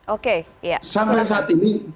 oke iya sampai saat ini pak toto